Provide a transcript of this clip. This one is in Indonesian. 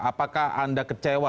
apakah anda kecewa